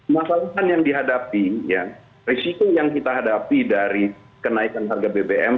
masalahan yang dihadapi ya risiko yang kita hadapi dari kenaikan harga bbm